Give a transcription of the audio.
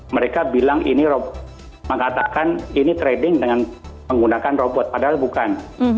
mereka bilang ini mengatakan ini trading dengan menggunakan robot padahal bukan